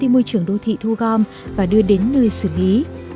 các công ty môi trường đô thị thu gom và đưa đến nơi xử lý